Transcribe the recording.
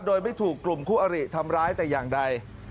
โดยไม่ถูกกลุ่มคู่อริทำร้ายแต่อย่างใด